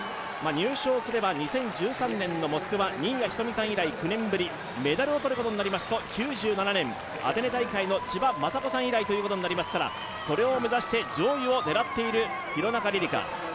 入賞すれば２０１３年のモスクワ、新谷仁美さん以来９年ぶりメダルを取ることになりますと、９７年、アテネ大会の千葉真子さん以来ということになりますからそれを目指して上位を狙っている廣中璃梨佳。